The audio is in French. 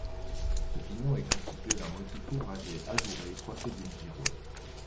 Ce pignon est constitué d'un motif ouvragé, ajouré, coiffé d'une girouette.